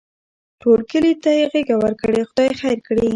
ټول کلي ته یې غېږه ورکړې؛ خدای خیر کړي.